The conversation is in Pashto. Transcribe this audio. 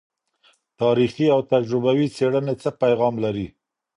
تاریخي او تجربوي څیړنې څه پیغام لري؟